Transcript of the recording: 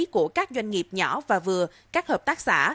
của các doanh nghiệp nhỏ và vừa các hợp tác xã